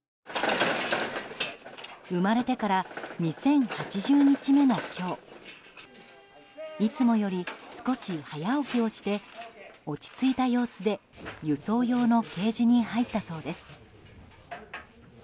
生まれてから２０８０日目の今日いつもより少し早起きをして落ち着いた様子で輸送用のケージに入ったそうです。